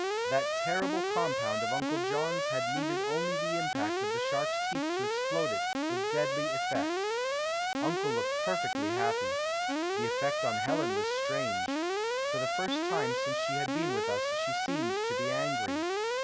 That terrible compound of Uncle John's had needed only the impact of the shark's teeth to explode it with deadly effect. Uncle looked perfectly happy. The effect on Helen was strange. For the first time since she had been with us she seemed to be angry.